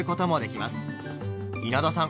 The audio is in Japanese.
稲田さん